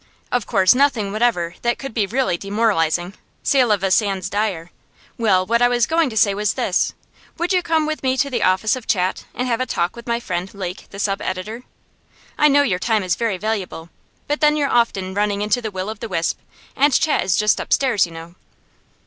Of course nothing whatever that could be really demoralising cela va sans dire. Well, what I was going to say was this: would you come with me to the office of Chat, and have a talk with my friend Lake, the sub editor? I know your time is very valuable, but then you're often running into the Will o' the Wisp, and Chat is just upstairs, you know.